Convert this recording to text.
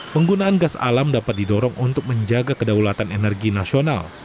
penggunaan gas alam dapat didorong untuk menjaga kedaulatan energi nasional